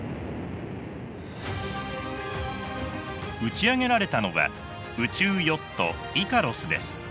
打ち上げられたのは宇宙ヨットイカロスです。